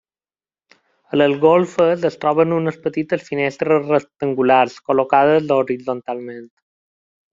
A les golfes es troben unes petites finestres rectangulars col·locades horitzontalment.